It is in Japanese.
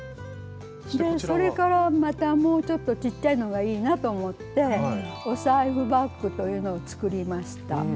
でそれからまたもうちょっとちっちゃいのがいいなと思って「お財布バッグ」というのを作りました。